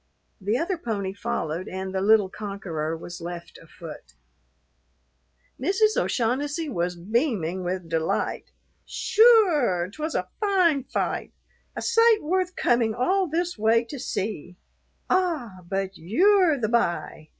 The other pony followed and the little conqueror was left afoot. Mrs. O'Shaughnessy was beaming with delight. "Sure, 'twas a fine fight, a sight worth coming all this way to see. Ah! but you're the b'y.